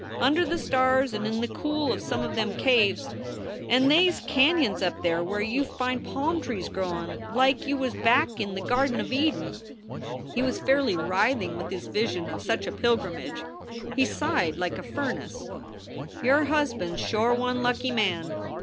Under the stars and in the cool of some of them caves and they s canons up there where you find palm trees growin , like you was back in the Garden of Eden." u6 SOULS FOR SALE He was fairly writhing with his vision of such a pilgrimage. He sighed like furnace: "Your husband s shore one lucky man.